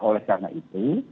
oleh karena itu